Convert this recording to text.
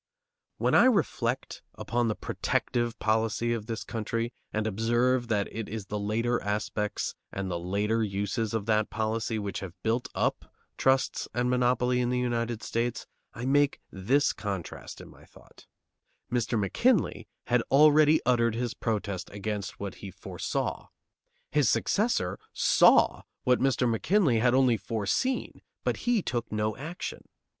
When I reflect upon the "protective" policy of this country, and observe that it is the later aspects and the later uses of that policy which have built up trusts and monopoly in the United States, I make this contrast in my thought: Mr. McKinley had already uttered his protest against what he foresaw; his successor saw what McKinley had only foreseen, but he took no action.